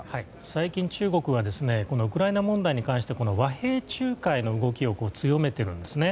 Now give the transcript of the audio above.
最近、中国はウクライナ問題に関して和平仲介の動きを強めているんです。